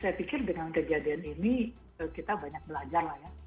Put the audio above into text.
saya pikir dengan kejadian ini kita banyak belajar lah ya